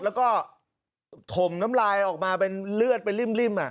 แล้วก็ถมน้ำลายออกมาเป็นเลือดเป็นริ่ม